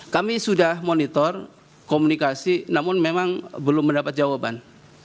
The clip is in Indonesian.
kami sudah monitor komunikasi namun memang belum mendapat jawaban